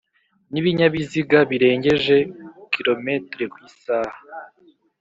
nibinyabiziga birengeje km/h